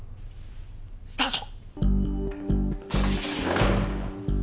スタート！